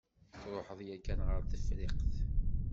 Truḥeḍ yakan ɣer Tefriqt?